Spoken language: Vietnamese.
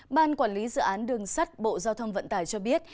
ban quản lý dự án đường sắt bộ giao thông vận tải cho biết